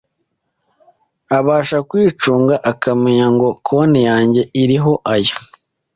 abasha kwicunga akamenya ngo konti yange iriho aya